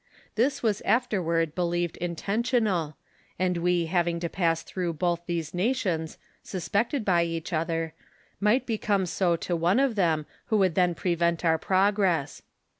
This was afterward believed intentional, and we having to pass through both these nations suspected by each other, might become so to one of them who would then prevent our progress.